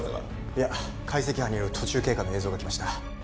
いや解析班による途中経過の映像がきました